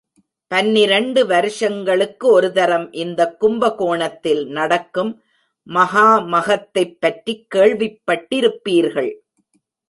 பன்னிரண்டு வருஷங்களுக்கு ஒருதரம் இந்தக் கும்பகோணத்தில் நடக்கும் மகா மகத்தைப் பற்றிக் கேள்விப்பட்டிருப்பீர்கள்.